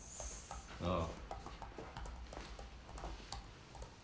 ああ。